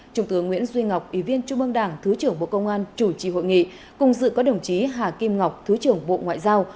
trung tướng nguyễn duy ngọc ủy viên trung ương đảng thứ trưởng bộ công an chủ trì hội nghị cùng dự có đồng chí hà kim ngọc thứ trưởng bộ ngoại giao